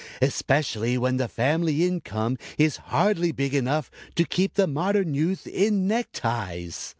Especially when the family income is hardly big enough to keep the modern youth in neckties."